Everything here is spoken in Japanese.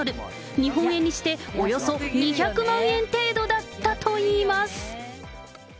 日本円にしておよそ２００万円程度だったといいます。